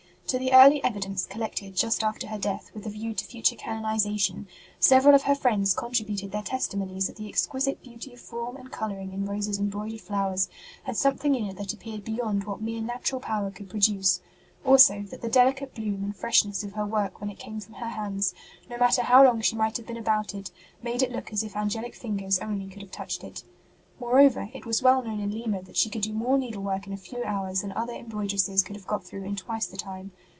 To the early evi dence collected just after her death, with a view to future canonization, several of her friends contributed their testimonies that the exquisite beauty of form and colouring in Rose s em broidered flowers had something in it that appeared beyond what mere natural power could produce ; also, that the delicate bloom and fresh ness of her work when it came from her hands, 76 ST. ROSE OF LIMA no matter how long she might have been about it, made it look as if angelic fingers only could have touched it. Moreover, it was well known in Lima that she could do more needlework in a few hours than other embroidresses could have got through in twice the time.